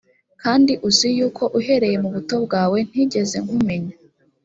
kandi uzi yuko uhereye mu buto bwawe ntigeze nkumenya